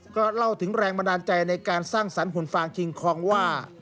ก็เล่าถึงแรงบันดาลใจในการสร้างสรรคหุ่นฟางชิงคลองว่า